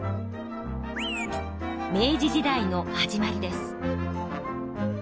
明治時代の始まりです。